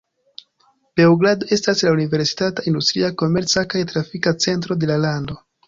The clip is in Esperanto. Beogrado estas la universitata, industria, komerca kaj trafika centro de la lando.